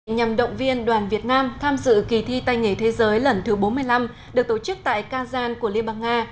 nhằm động viên đoàn việt nam tham dự kỳ thi tay nghề thế giới lần thứ bốn mươi năm được tổ chức tại kazan của liên bang nga